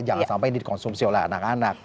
jangan sampai ini dikonsumsi oleh anak anak